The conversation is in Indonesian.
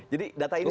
jadi data ini